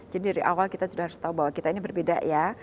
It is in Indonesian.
jadi dari awal kita sudah harus tahu bahwa kita ini berbeda ya